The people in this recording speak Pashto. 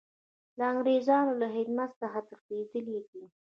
له انګریزانو له خدمت څخه تښتېدلی دی.